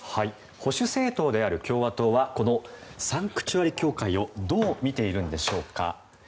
保守政党である共和党はこのサンクチュアリ教会をどう見ているんでしょうか。